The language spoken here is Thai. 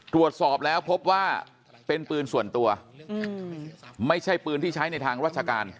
ตรวจสอบแล้วพบว่าเป็นปืนส่วนตัวไม่ใช่ปืนที่ใช้ในทางราชการ